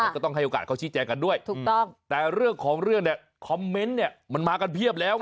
ก็ต้องให้โอกาสเขาชี้แจงกันด้วยถูกต้องแต่เรื่องของเรื่องเนี่ยคอมเมนต์เนี่ยมันมากันเพียบแล้ว